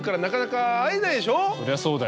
そりゃそうだよ。